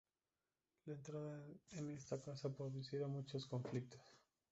La entrada en esta casa producirá muchos conflictos.